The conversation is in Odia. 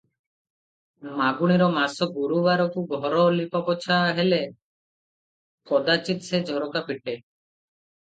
ମଗୁଶିର ମାସ ଗୁରୁବାରକୁ ଘର ଲିପାପୋଛା ହେଲେ କଦାଚିତ୍ ସେ ଝରକା ଫିଟେ ।